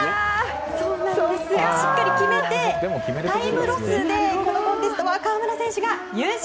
しっかり決めて、タイムロスでこのコンテストは河村選手が優勝。